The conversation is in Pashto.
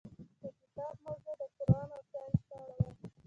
د کتاب موضوع د قرآن او ساینس په اړه وه.